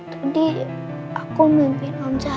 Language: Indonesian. tadi aku mimpi nomja